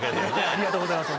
ありがとうございます